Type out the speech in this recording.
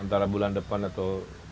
antara bulan depan atau